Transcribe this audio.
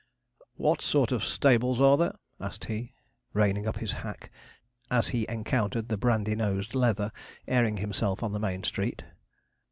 'What sort of stables are there?' asked he, reining up his hack, as he encountered the brandy nosed Leather airing himself on the main street.